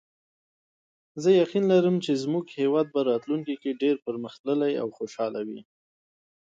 زه یقین لرم چې زموږ هیواد به راتلونکي کې ډېر پرمختللی او خوشحاله وي